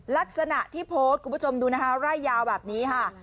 ลักษณะที่โพสต์คุณผู้ชมดูนะคะไร่ยาวแบบนี้ค่ะ